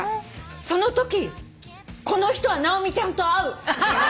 「そのときこの人は直美ちゃんと合う！」